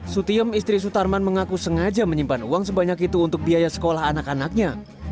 sutiem istri sutarman mengaku sengaja menyimpan uang sebanyak itu untuk biaya sekolah anak anaknya